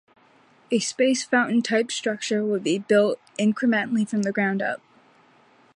A space fountain type structure would be built incrementally from the ground up.